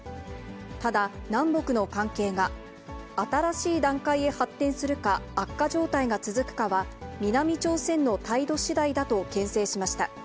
ただ、南北の関係が新しい段階へ発展するか、悪化状態が続くかは、南朝鮮の態度しだいだとけん制しました。